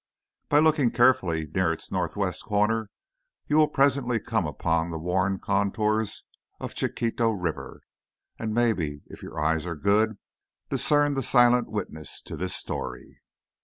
By looking carefully near its northwest corner you will presently come upon the worn contours of Chiquito River, and, maybe, if your eyes are good, discern the silent witness to this story.